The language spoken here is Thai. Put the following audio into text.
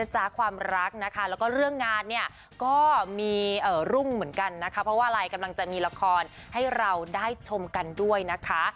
ความรักนะคะแล้วก็เรื่องงานเนี่ยก็มีรุ่งเหมือนกันนะคะเพราะว่าอะไรกำลังจะมีละครให้เราได้ชมกันด้วยนะคะ